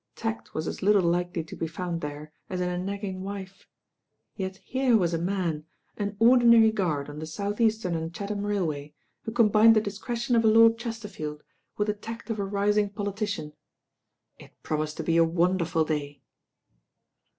Tact was as little likely to be found there as in a nagging wife; yet here was a man, an ordinary guard on the South Eastern and Chatham Railway, who combined the discretion of a Lord Chesterfield with the tact of a rising politician. It promised to be a wonderful day.